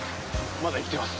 まだ生きてます。